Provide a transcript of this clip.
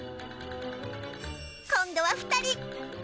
今度は２人。